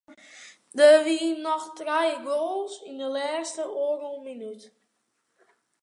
Der wiene noch trije goals yn de lêste oardel minút.